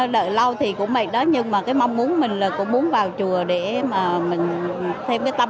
đợi lâu thì cũng mệt đó nhưng mà cái mong muốn mình là cũng muốn vào chùa để mà mình thêm cái tâm